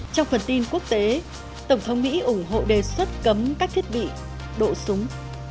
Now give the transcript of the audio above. trong phần tin quốc tế tổng thống mỹ ủng hộ đề xuất cấm các thiết bị độ súng